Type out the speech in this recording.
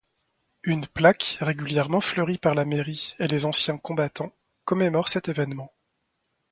Une plaque, régulièrement fleurie par la mairie et les anciens combattants, commémore cet événement.